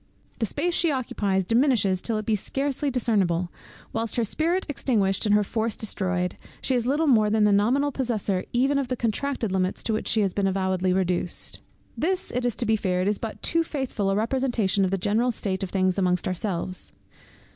The space she occupies diminishes till it be scarcely discernible; whilst, her spirit extinguished, and her force destroyed, she is little more than the nominal possessor even of the contracted limits to which she has been avowedly reduced. This it is to be feared is but too faithful a representation of the general state of things among ourselves.